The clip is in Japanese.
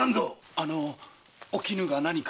あのおきぬが何か？